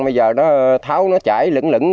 bây giờ nó tháo nó chảy lửng lửng